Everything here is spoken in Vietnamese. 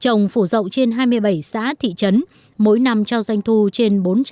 trồng phủ rộng trên hai mươi năm hectare